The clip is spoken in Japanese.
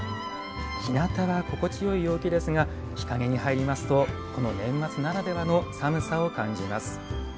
ひなたは心地よい陽気ですが日陰に入りますと年末ならではの寒さを感じます。